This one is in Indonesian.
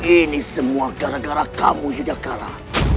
ini semua gara gara kamu yudhakara